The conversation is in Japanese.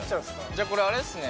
じゃこれあれですね